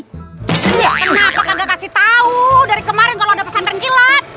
kenapa kagak kasih tau dari kemaren kalo ada pesan terengkilat